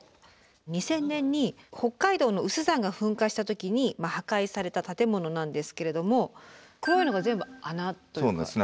２０００年に北海道の有珠山が噴火した時に破壊された建物なんですけれども黒いのが全部穴というか。